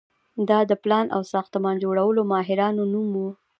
دا د پلان او ساختمان جوړولو ماهرانو نوم و.